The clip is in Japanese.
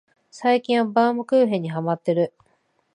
最近はバウムクーヘンにハマってる